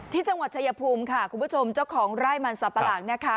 ที่จังหวัดชายภูมิค่ะคุณผู้ชมเจ้าของไร่มันสับปะหลังนะคะ